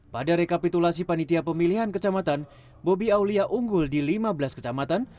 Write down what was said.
pada rekapitulasi panitia pemilihan kecamatan bobi aulia unggul di lima belas kecamatan